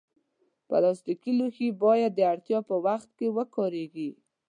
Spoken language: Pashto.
پلاستيکي لوښي باید د اړتیا پر وخت وکارېږي.